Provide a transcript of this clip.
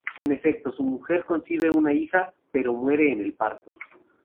En efecto, su mujer concibe una hija, pero muere en el parto.